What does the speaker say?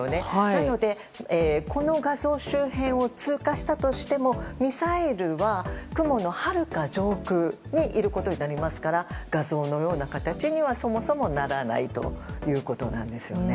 なので、この画像周辺を通過したとしてもミサイルは雲のはるか上空にいることになりますから画像のような形には、そもそもならないということなんですよね。